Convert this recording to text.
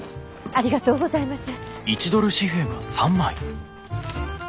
ありがとうございます！